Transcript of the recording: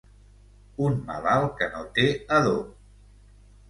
Un malalt que no té adob.